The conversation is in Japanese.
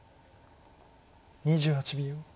２８秒。